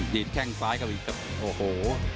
ดแข้งซ้ายเข้าไปครับโอ้โห